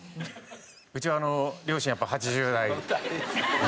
うちは両親やっぱ８０代。